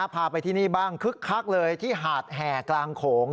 พาไปที่นี่บ้างคึกคักเลยที่หาดแห่กลางโขง